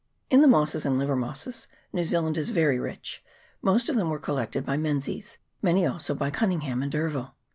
CHAP. XXIX.] NEW ZEALAND. 423 In mosses and livermosses New Zealand is very rich. Most of them were collected by Menzies, many also by Cunningham and D'Urville.